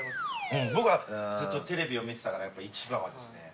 僕はずっとテレビを見てたからやっぱ一番はですね。